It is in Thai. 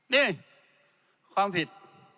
นี่ความผิด